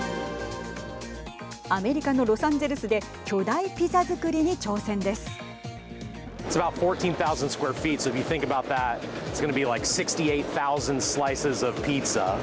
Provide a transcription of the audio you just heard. アメリカのロサンゼルスで巨大ピザ作りに挑戦です。